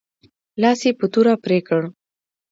لاس یې په توره پرې کړ.